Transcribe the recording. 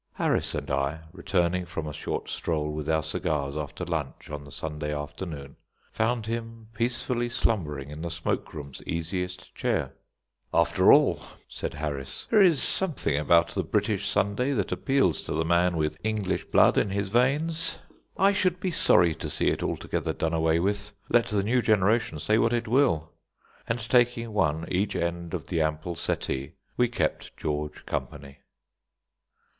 Harris and I, returning from a short stroll with our cigars after lunch on the Sunday afternoon, found him peacefully slumbering in the smoke room's easiest chair. "After all," said Harris, "there is something about the British Sunday that appeals to the man with English blood in his veins. I should be sorry to see it altogether done away with, let the new generation say what it will." And taking one each end of the ample settee, we kept George company.